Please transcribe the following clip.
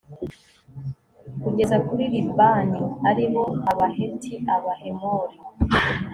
kugeza kuri libani, ari bo abaheti, abahemori